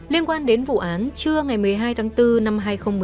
liên quan đến vụ án trưa ngày một mươi hai tháng bốn năm hai nghìn một mươi bốn